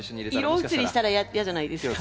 色移りしたら嫌じゃないですか。